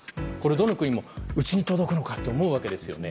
どの国もうちに届くのかと思うわけですよね。